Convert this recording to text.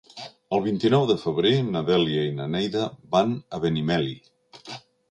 El vint-i-nou de febrer na Dèlia i na Neida van a Benimeli.